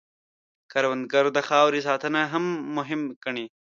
کروندګر د خاورې ساتنه مهم ګڼي